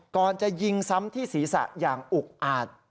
ก่อนจะยิงซ้ำที่ศีรษะอย่างอุกอาจ